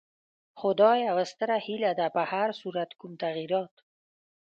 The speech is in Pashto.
خو دا یوه ستره هیله ده، په هر صورت کوم تغیرات.